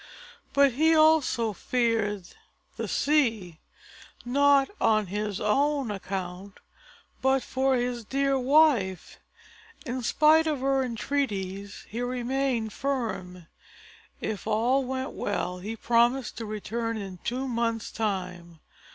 But he also feared the sea, not on his own account, but for his dear wife. In spite of her entreaties he remained firm. If all went well he promised to return in two months' time.